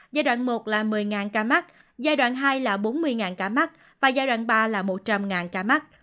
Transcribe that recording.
giai đoạn một là một mươi ca mắc giai đoạn hai là bốn mươi ca mắc và giai đoạn ba là một trăm linh ca mắc